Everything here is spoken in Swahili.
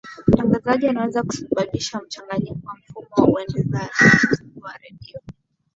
mtangazaji anaweza kusababisha mchanganyiko wa mfumo wa uendeshaji wa redio